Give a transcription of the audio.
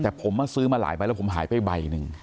แต่ผมมาซื้อมาหลายใบแล้วผมหายไปใบหนึ่ง